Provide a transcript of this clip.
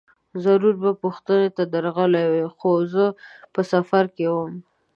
ضرور به پوښتنې ته درغلی وای، خو زه په سفر کې وم.